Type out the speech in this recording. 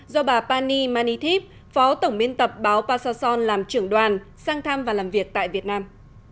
do bà pani manitiv phó tổng biên tập báo passason làm trưởng đoàn sang thăm và làm việc tại việt nam